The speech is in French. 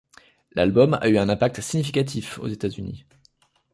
L'album a eu un impact significatif aux États-Unis.